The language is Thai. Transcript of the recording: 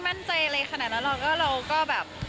แล้วก็เขาเรียกอะไรเข้าใจในการทำงาน